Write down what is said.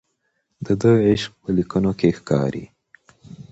د ده عشق په لیکنو کې ښکاري.